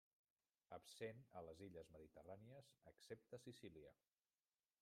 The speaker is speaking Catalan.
Absent a les illes mediterrànies excepte Sicília.